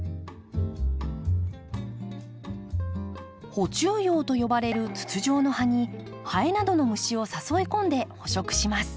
捕虫葉と呼ばれる筒状の葉にハエなどの虫を誘い込んで捕食します。